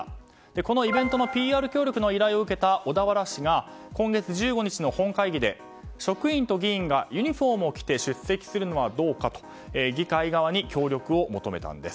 このイベントのＰＲ協力の依頼を受けた小田原市が今月１５日に本会議で職員と議員がユニホームを着て出席するのはどうかと議会側に協力を求めたんです。